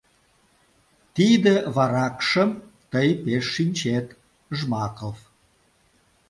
— Тиде варакшым тый пеш шинчет — Жмаков.